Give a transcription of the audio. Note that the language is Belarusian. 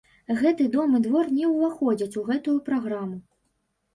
Гэты дом і двор не ўваходзяць у гэтую праграму.